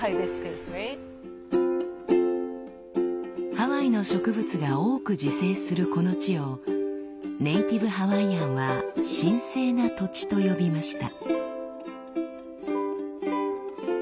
ハワイの植物が多く自生するこの地をネイティブハワイアンは「神聖な土地」と呼びました。